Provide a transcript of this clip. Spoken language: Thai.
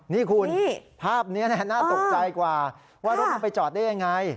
นี่คุณภาพนี้น่าตกใจกว่าว่ารถมันไปจอดได้ยังไง